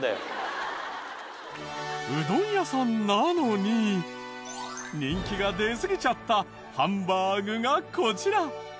うどん屋さんなのに人気が出すぎちゃったハンバーグがこちら。